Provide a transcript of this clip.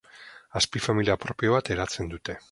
Azpifamilia propio bat eratzen dute.